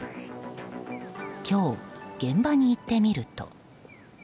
今日、現場に行ってみると。